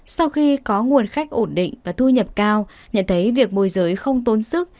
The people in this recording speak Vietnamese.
sau khi có nguồn khách ổn định và thu nhập cao nhận thấy việc môi giới không tốn sức